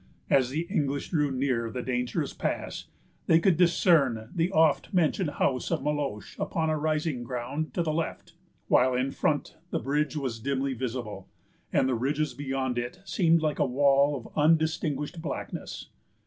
As the English drew near the dangerous pass, they could discern the oft mentioned house of Meloche upon a rising ground to the left, while in front the bridge was dimly visible, and the ridges beyond it seemed like a wall of undistinguished blackness.